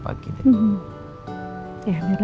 apa berlebihan marika